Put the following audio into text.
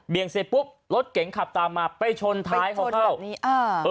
เบี่ยงเสร็จปุ๊บรถเก่งขับตามมาไปชนท้ายเขาเข้า